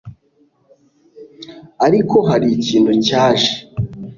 ariko hari ikintu cyaje